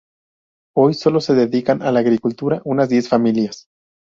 Hoy solo se dedican a la agricultura unas diez familias.